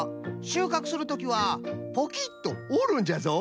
しゅうかくするときはポキッとおるんじゃぞ。